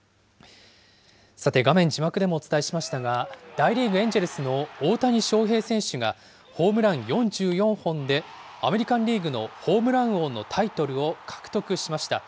さて、画面字幕でもお伝えしましたが、大リーグ・エンジェルスの大谷翔平選手が、ホームラン４４本で、アメリカンリーグのホームラン王のタイトルを獲得しました。